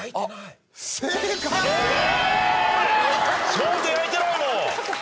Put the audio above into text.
ホント焼いてないもん！